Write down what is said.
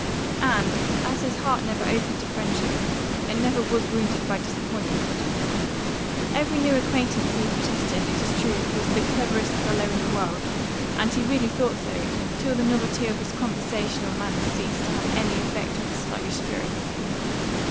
And, as his heart never opened to friendship, it never was wounded by disappointment. Every new acquaintance he protested, it is true, was 'the cleverest fellow in the world; and he really thought so; till the novelty of his conversation or manners ceased to have any effect on his sluggish spirits.